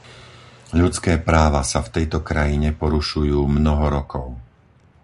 Ľudské práva sa v tejto krajine porušujú mnoho rokov.